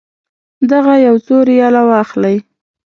دغه یو څو ریاله واخلئ.